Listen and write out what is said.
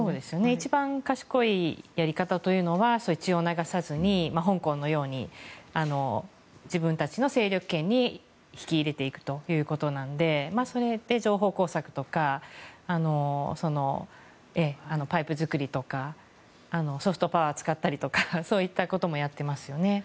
一番賢いやり方は血を流さずに、香港のように自分たちの勢力圏に引き入れていくということなのでそれで情報工作とかパイプ作りとかソフトパワーを使ったりとかそういったこともやってますね。